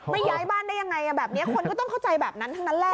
ย้ายบ้านได้ยังไงแบบนี้คนก็ต้องเข้าใจแบบนั้นทั้งนั้นแหละ